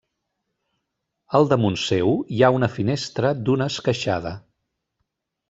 Al damunt seu hi ha una finestra d'una esqueixada.